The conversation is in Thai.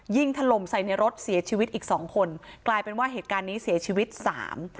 ถล่มใส่ในรถเสียชีวิตอีกสองคนกลายเป็นว่าเหตุการณ์นี้เสียชีวิตสาม